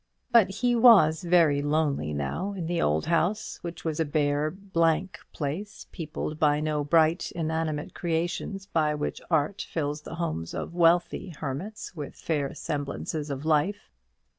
But he was very lonely now in the old house, which was a bare, blank place, peopled by no bright inanimate creations by which art fills the homes of wealthy hermits with fair semblances of life.